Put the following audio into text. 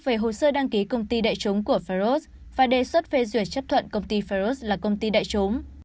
về hồ sơ đăng ký công ty đại chúng của faros và đề xuất phê duyệt chấp thuận công ty faros là công ty đại chúng